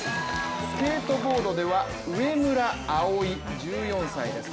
スケートボードでは上村葵、１４歳です。